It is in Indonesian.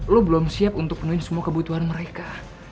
lo belum siap untuk menuhi semua kebutuhan mereka